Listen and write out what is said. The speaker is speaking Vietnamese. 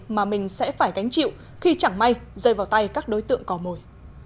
mà mình sẽ phải gánh chịu khi chẳng may rơi vào tay các đối tượng cò mồi